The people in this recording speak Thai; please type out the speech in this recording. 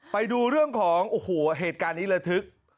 ไปดูเรื่องของโอ้โหเหตุการณ์นี้ระทึก